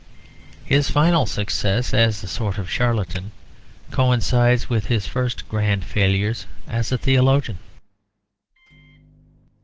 His final success as a sort of charlatan coincides with his first grand failures as a theologian.